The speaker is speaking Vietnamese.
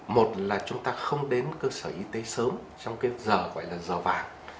một là chúng ta không đến cơ sở y tế sớm trong cái giờ gọi là giờ vàng